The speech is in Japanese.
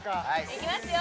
いきますよ